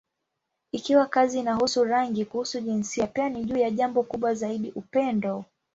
Ikiwa kazi inahusu rangi, kuhusu jinsia, pia ni juu ya jambo kubwa zaidi: upendo.